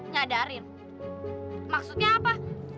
nyadarin maksudnya apa